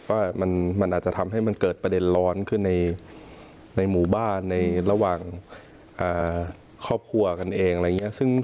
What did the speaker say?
ว่ามันอาจจะทำให้มันเกิดประเด็นร้อนขึ้นในหมู่บ้านในระหว่างครอบครัวกันเองอะไรอย่างนี้